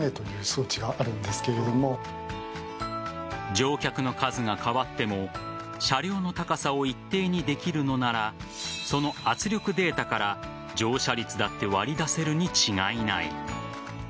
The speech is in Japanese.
乗客の数が変わっても車両の高さを一定にできるのならその圧力データから乗車率だって割り出せるに違いない。